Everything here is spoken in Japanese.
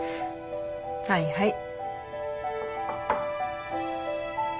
はいはい。